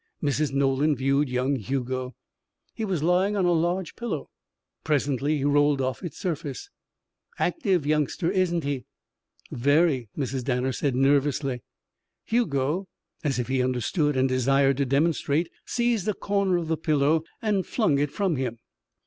Mrs. Nolan viewed young Hugo. He was lying on a large pillow. Presently he rolled off its surface. "Active youngster, isn't he?" "Very," Mrs. Danner said, nervously. Hugo, as if he understood and desired to demonstrate, seized a corner of the pillow and flung it from him.